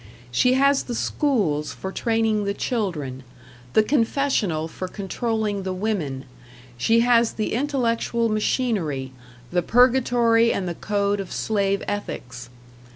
She has the schools for training the children, the confessional for controlling the women; she has the intellectual machinery, the purgatory and the code of slave ethics.